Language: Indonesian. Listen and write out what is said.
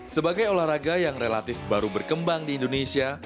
sebagai olahraga yang relatif baru berkembang di indonesia